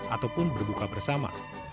ataupun berbuka bersama